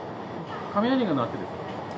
雷が鳴ってですか？